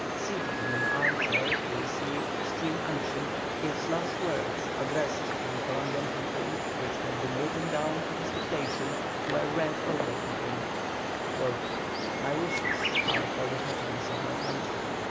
Seated in an arm chair to receive extreme unction, his last words addressed to the Columbian people, which had been written down to his dictation, were read over to him: "My wishes are for the happiness of my country.